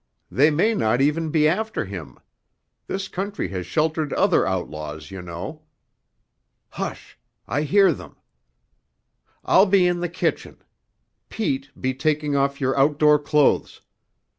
They may not even be after him; this country has sheltered other outlaws, you know. Hush! I hear them. I'll be in the kitchen. Pete, be taking off your outdoor clothes.